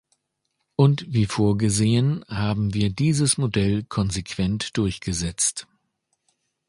Und wie vorgesehen, haben wir dieses Modell konsequent durchgesetzt.